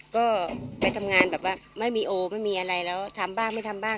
ก็ไปทำงานแบบว่าไม่มีโอไม่มีอะไรแล้วทำบ้างไม่ทำบ้าง